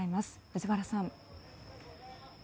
藤原さん。